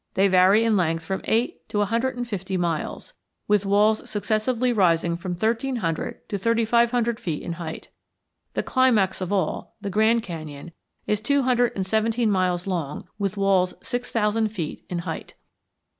They vary in length from eight to a hundred and fifty miles, with walls successively rising from thirteen hundred to thirty five hundred feet in height. The climax of all, the Grand Canyon, is two hundred and seventeen miles long, with walls six thousand feet in height. [Illustration: _From a photograph by A.